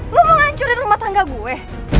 lo mau ngancurin rumah tangga gue